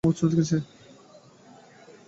আপনার ফিরতে দেরি দেখে সে বাড়িওয়ালার ঘরে ঘুমুতে গেছে।